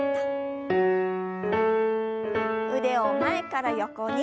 腕を前から横に。